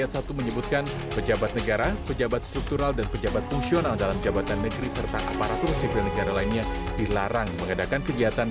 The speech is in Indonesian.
di pasal dua ratus delapan puluh tiga ayat satu menyebutkan pejabat negara pejabat struktural dan pejabat fungsional dalam jabatan negeri serta aparatur sipil negara lainnya dilarang mengadakan kegiatan